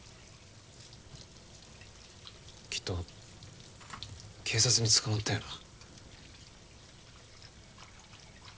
きっと警察に捕まったよな？